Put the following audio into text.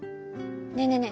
ねえねえね